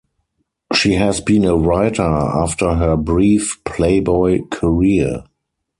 She has been a writer after her brief Playboy career.